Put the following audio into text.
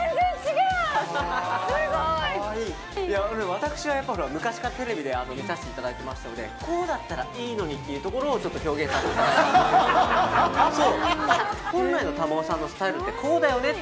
私はやっぱり昔からテレビで見させていただいてましたのでこうだったらいいのにっていうところを表現させていただいた。